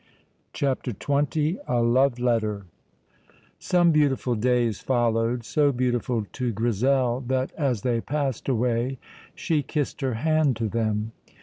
CHAPTER XX A LOVE LETTER Some beautiful days followed, so beautiful to Grizel that as they passed away she kissed her hand to them.